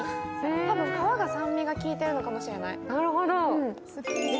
多分、皮が酸味が効いてるのかもしれない。